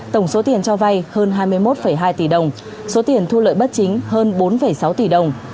tổng số tiền cho vay hơn hai mươi một hai tỷ đồng số tiền thu lợi bất chính hơn bốn sáu tỷ đồng